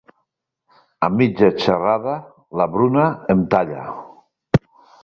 A mitja xerrada la Bruna em talla.